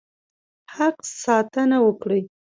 حق ساتنه وکړي.